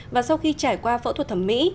và sau khi trải qua phẫu thuật thẩm mỹ